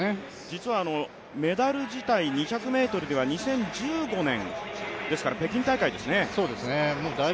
実はメダル自体、２００ｍでは２０１５年ですから、北京大会ですね。